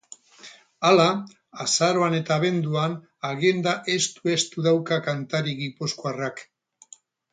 Hala, azaroan eta abenduan agenda estu-estu dauka kantari gipuzkoarrak.